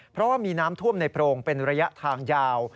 เพราะว่ามีน้ำท่วมในโพรงเป็นระยะทางยาว